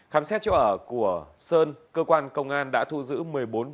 khám xét chỗ ở của sơn cơ quan công an đã thu giữ một mươi bốn viên